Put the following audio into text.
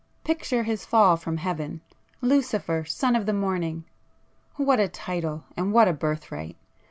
Picture his fall from heaven!—'Lucifer Son of the Morning'—what a title, and what a birthright!